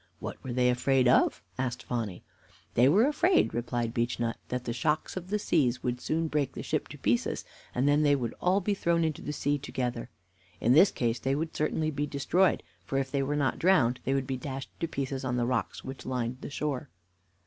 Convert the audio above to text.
"What were they afraid of?" asked Phonny. "They were afraid," replied Beechnut, "that the shocks of the seas would soon break the ship to pieces, and then they would all be thrown into the sea together. In this case they would certainly be destroyed, for if they were not drowned, they would be dashed to pieces on the rocks which lined the shore.